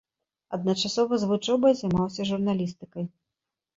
Адначасова з вучобай займаўся журналістыкай.